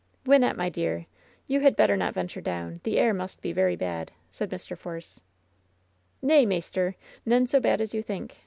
"Wynnette, my dear, you had better not venture down. The air must be very bad, said Mr. Force. "Nay, maister, none so bad as you think.